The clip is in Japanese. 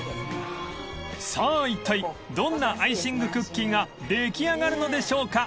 ［さあいったいどんなアイシングクッキーが出来上がるのでしょうか］